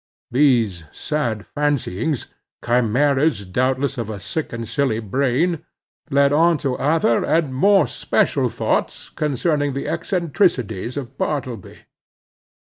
These sad fancyings—chimeras, doubtless, of a sick and silly brain—led on to other and more special thoughts, concerning the eccentricities of Bartleby.